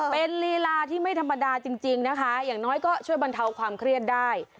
เป็นลีลาที่ไม่ธรรมดาจริงนะคะอย่างน้อยก็ช่วยบรรเทาความเครียดได้